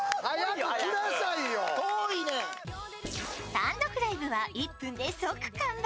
単独ライブは１分で即完売。